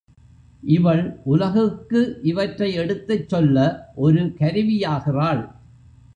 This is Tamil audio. இவள் உலகுக்கு இவற்றை எடுத்துச் சொல்ல ஒரு கருவியாகிறாள்.